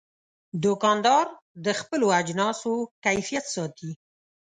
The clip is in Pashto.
دوکاندار د خپلو اجناسو کیفیت ساتي.